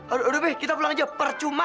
aduh be kita pulang aja percuma